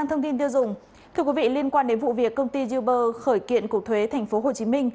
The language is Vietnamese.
thưa quý vị liên quan đến vụ việc công ty uber khởi kiện cục thuế tp hcm